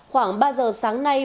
khoảng ba giờ sáng nay